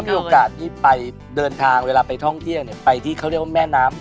มีโอกาสที่ไปเดินทางเวลาไปท่องเที่ยวไปที่เขาเรียกว่าแม่น้ำ